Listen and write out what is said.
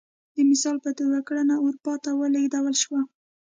د مثال په توګه کرنه اروپا ته ولېږدول شوه